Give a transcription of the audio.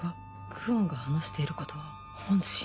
久遠が話していることは本心